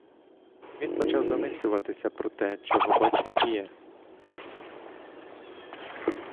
Він почав замислюватися про те, чого батько п'є.